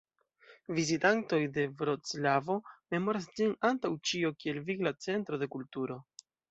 Vizitantoj de Vroclavo memoras ĝin antaŭ ĉio kiel vigla centro de kulturo.